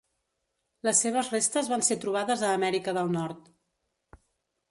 Les seves restes van ser trobades a Amèrica del Nord.